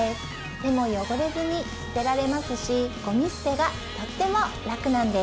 手も汚れずに捨てられますしごみ捨てがとっても楽なんです